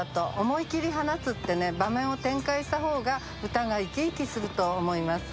「思い切り放つ」ってね場面を展開した方が歌が生き生きすると思います。